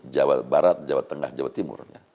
jawa barat jawa tengah jawa timur